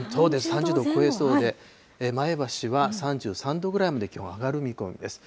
３０度超えそうで、前橋は３３度ぐらいまで気温、上がる見込みです。